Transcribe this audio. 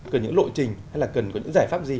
cần những lộ trình hay là cần có những giải pháp gì